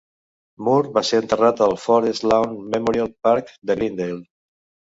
Moore va ser enterrat al Forest Lawn Memorial Park de Glendale.